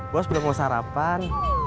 bos belum mau sarapan